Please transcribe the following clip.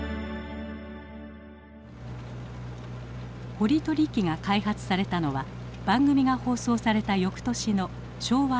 掘取機が開発されたのは番組が放送された翌年の昭和４５年。